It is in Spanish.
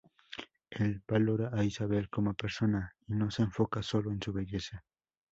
Él valora a Isabel como persona y no se enfoca solo en su belleza.